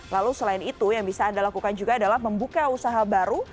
lalu selain itu yang bisa anda lakukan juga adalah membuka usaha baru